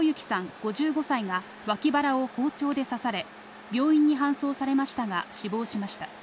５５歳が、わき腹を包丁で刺され、病院に搬送されましたが死亡しました。